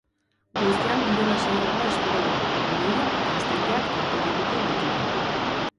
Goizean giro lasaiagoa espero dugu, hodeiak eta ostarteak tartekatuko baitira.